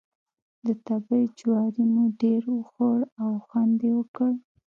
د تبۍ جواری مو ډېر وخوړ او خوند یې وکړ.